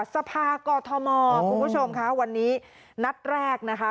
สภากอทมคุณผู้ชมค่ะวันนี้นัดแรกนะคะ